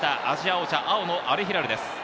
アジア王者、青のアルヒラルです。